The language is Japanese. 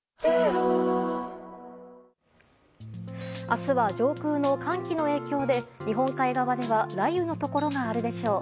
明日は、上空の寒気の影響で日本海側では雷雨のところがあるでしょう。